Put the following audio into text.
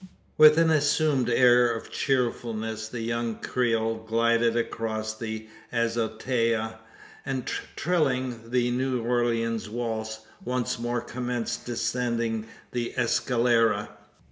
With an assumed air of cheerfulness, the young Creole glided across the azotea; and, trilling the "New Orleans Waltz," once more commenced descending the escalera.